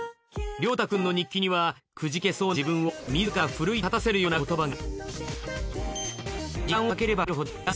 リョータくんの日記にはくじけそうな自分を自ら奮い立たせるような言葉が。